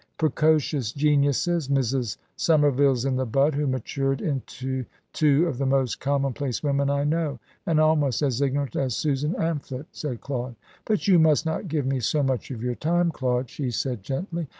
"Precocious geniuses, Mrs. Somervilles in the bud, who matured into two of the most commonplace women I know, and almost as ignorant as Susan Amphlett," said Claude. "But you must not give me so much of your time, Claude," she said gently.